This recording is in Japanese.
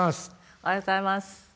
おはようございます。